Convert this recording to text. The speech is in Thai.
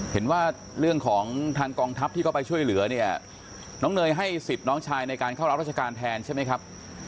เห็นว่าเรื่องของทางกองทัพที่เข้าไปช่วยเหลือเนี่ยน้องเนยให้สิทธิ์น้องชายในการเข้ารับราชการแทนใช่ไหมครับ